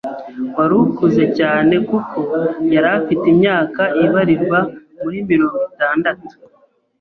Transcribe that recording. wari ukuze cyane kuko yari afite imyaka ibarirwa muri mirongo itandatu